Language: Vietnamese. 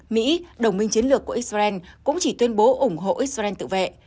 mỹ đồng minh chiến lược của israel cũng chỉ tuyên bố ủng hộ israel tự vệ